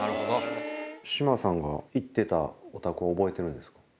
志麻さんが行ってたお宅は覚えてるんですか？